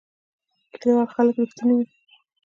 کلیوال خلک رښتونی وی